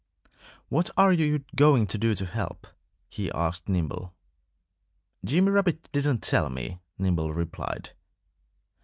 "What are you going to do to help?" he asked Nimble. "Jimmy Rabbit didn't tell me," Nimble replied.